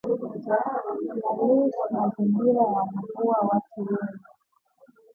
ya lush mazingira ya mvua watu wenye